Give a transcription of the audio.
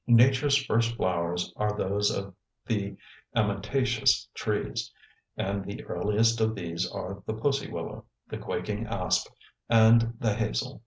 Nature's first flowers are those of the amentaceous trees, and the earliest of these are the pussy willow, the quaking asp, and the hazel.